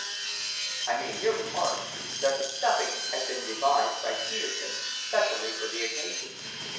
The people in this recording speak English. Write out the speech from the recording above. I may here remark that the stuffing had been devised by Peterkin specially for the occasion.